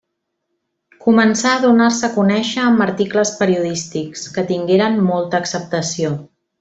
Començà a donar-se a conèixer amb articles periodístics, que tingueren molta acceptació.